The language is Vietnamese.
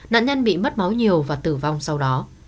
nạn nhân bị mất máu nhiều và tử vong sau đó